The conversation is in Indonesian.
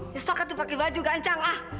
ya sokat tuh pakai baju ganjang lah